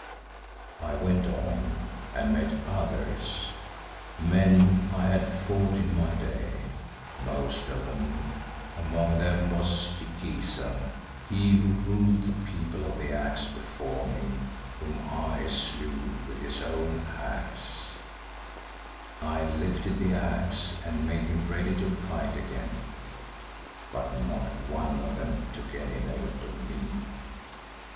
"I went on and met others, men I had fought in my day, most of them, among them was Jikiza, he who ruled the People of the Axe before me whom I slew with his own axe. I lifted the axe and made me ready to fight again, but not one of them took any note of me.